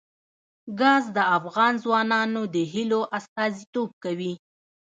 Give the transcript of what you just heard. ګاز د افغان ځوانانو د هیلو استازیتوب کوي.